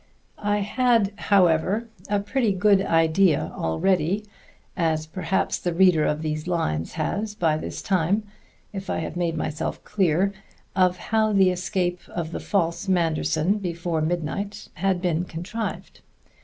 I had, however, a pretty good idea already as perhaps the reader of these lines has by this time, if I have made myself clear of how the escape of the false Manderson before midnight had been contrived.